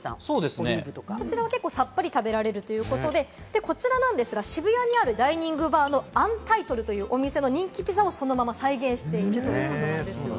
結構さっぱり食べられるということで、こちらは渋谷にあるダイニングバーのＵＮＴＩＴＬＥＤというお店の人気ピザをそのまま再現しているということです。